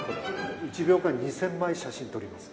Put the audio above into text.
１秒間に２０００枚写真撮ります。